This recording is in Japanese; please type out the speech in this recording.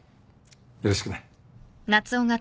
よろしくね。